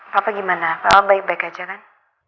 papa gimana baik baik aja kan